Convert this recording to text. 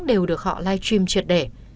đều được họ live stream trượt đẻ